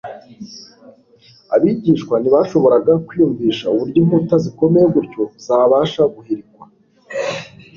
Abigishwa ntibashoboraga kwiyumvisha uburyo inkuta zikomeye gutyo zabasha guhirikwa.